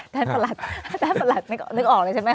แทนสลัดแทนสลัดนึกออกเลยใช่ไหมคะ